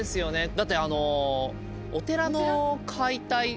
だってあの。